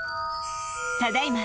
ただいま